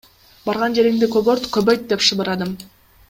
Барган жериңди көгөрт, көбөйт деп шыбырадым.